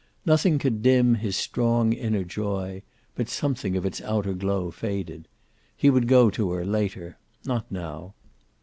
Nothing could dim his strong inner joy, but something of its outer glow faded. He would go to her, later. Not now.